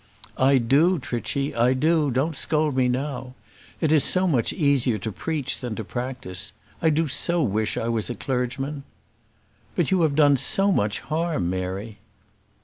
"I do, Trichy, I do; don't scold me now. It is so much easier to preach than to practise. I do so wish I was a clergyman." "But you have done so much harm, Mary."